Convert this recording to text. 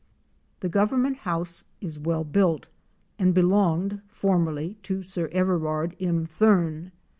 The government house is well built and belonged formerly to Sir Everard im Thurn.